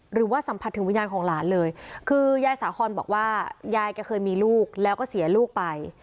หรือว่าสัมผัสถึงวิญญาณของหลานเลยคือยายสาคอนบอกว่ายายแกเคยมีลูกแล้วก็เสียลูกไป